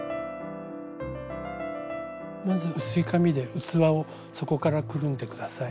まず薄い紙で器を底からくるんで下さい。